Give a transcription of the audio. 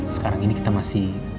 sekarang ini kita masih